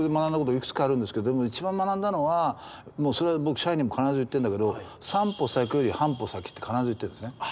いくつかあるんですけど一番学んだのはそれ僕社員にも必ず言ってるんだけど「３歩先より半歩先」って必ず言ってるんですね。